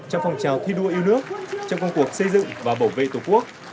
trong phòng trào thi đua yêu nước trong công cuộc xây dựng và bảo vệ tổ quốc